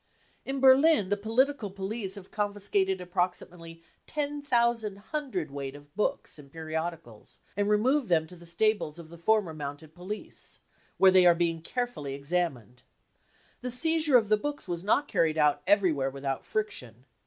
" In Berlin the political police have confiscated approximately 10,000 hundredweight of books and periodicals and removed them to the stables of the former mounted police, where they are being carefully examined. The seizure of the books was not carried out everywhere without friction.